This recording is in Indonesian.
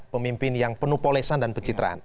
pemimpin yang penuh polesan dan pencitraan